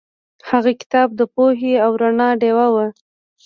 هغه کتاب د پوهې او رڼا ډیوه وه.